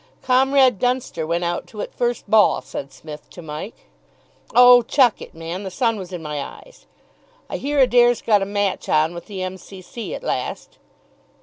"Comrade Dunster went out to it first ball," said Psmith to Mike. "Oh! chuck it, man; the sun was in my eyes. I hear Adair's got a match on with the M.C.C. at last."